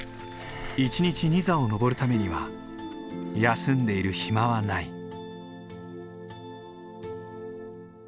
一日２座を登るためには休んでいる暇はない。